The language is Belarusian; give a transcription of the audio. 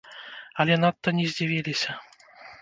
Але надта не здзівіліся.